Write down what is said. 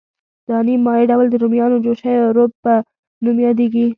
دا نیم مایع ډول د رومیانو جوشه یا روب په نوم یادیږي.